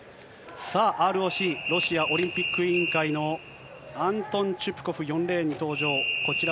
さあ、ＲＯＣ・ロシアオリンピック委員会のアントン・チュプコフ、４レーンに登場。